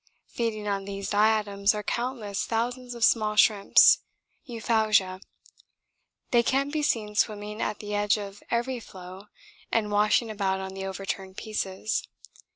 Feeding on these diatoms are countless thousands of small shrimps (Euphausia); they can be seen swimming at the edge of every floe and washing about on the overturned pieces.